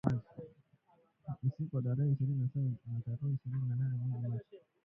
Usiku wa tarehe ishirini na saba na tarehe ishirini nane mwezi Machi